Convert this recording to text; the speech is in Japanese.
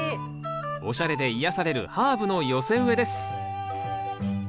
おしゃれで癒やされるハーブの寄せ植えです。